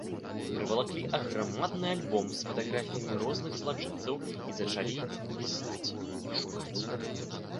Прывалаклі аграмадны альбом з фатаграфіямі розных злачынцаў і зачалі лістаць і шукаць.